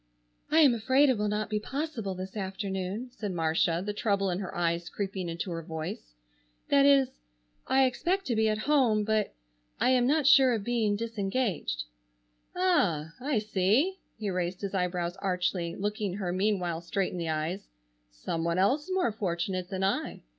"I am afraid it will not be possible this afternoon," said Marcia, the trouble in her eyes creeping into her voice. "That is—I expect to be at home, but—I am not sure of being disengaged." "Ah! I see!" he raised his eyebrows archly, looking her meanwhile straight in the eyes; "some one else more fortunate than I.